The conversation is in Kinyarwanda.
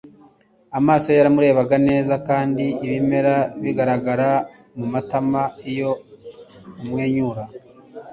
amaso ye yaramurebaga neza kandi ibimera bigaragara mumatama iyo umwenyura